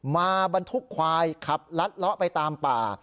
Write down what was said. มาบรรทุกควายขับลัดเลาะไปตามป่า